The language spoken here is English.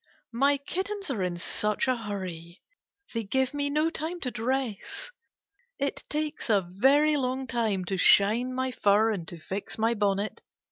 my kittens are in such a hurry ! They give me no time to dress. It takes a very long time to shine my fur and to fix my bonnet.